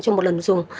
cho một lần dùng